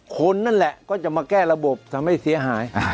คนนั่นแหละก็จะมาแก้ระบบทำให้เสียหาย